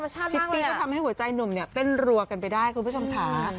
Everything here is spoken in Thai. ชิปปี้ก็ทำให้หัวใจหนุ่มเนี่ยเต้นรัวกันไปได้คุณผู้ชมค่ะ